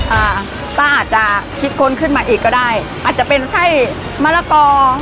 อ่าป้าอาจจะคิดค้นขึ้นมาอีกก็ได้อาจจะเป็นไส้มะละกอ